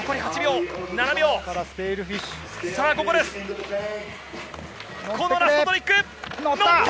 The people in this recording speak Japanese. このラストトリック！